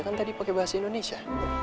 kan tadi pakai bahasa indonesia